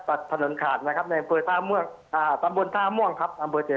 ตัดถนนขาดนะครับในประบวนท่าม่วงอำเวอร์เทพาะครับ